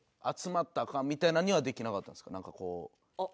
みたいなのにはできなかったんですか？